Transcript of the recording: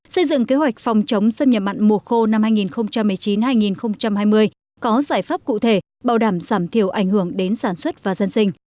xây dựng kế hoạch phòng chống xâm nhập mặn mùa khô năm hai nghìn một mươi chín hai nghìn hai mươi có giải pháp cụ thể bảo đảm giảm thiểu ảnh hưởng đến sản xuất và dân sinh